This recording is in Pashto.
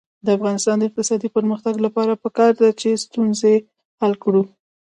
د افغانستان د اقتصادي پرمختګ لپاره پکار ده چې ستونزه حل کړو.